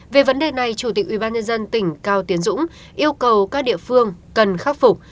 về vấn đề này chủ tịch ubnd tỉnh cao tiến dũng yêu cầu các địa phương cần khắc phục